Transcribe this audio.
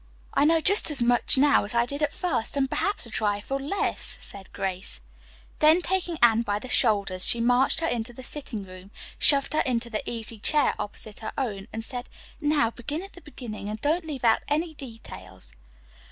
"I know just as much now as I did at first, and perhaps a trifle less," said Grace. Then taking Anne by the shoulders she marched her into the sitting room, shoved her into the easy chair opposite her own and said, "Now, begin at the beginning, and don't leave out any details."